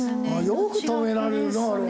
よく止められるなあれ。